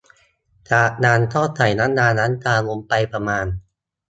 จากนั้นก็ใส่น้ำยาล้างจานลงไปประมาณ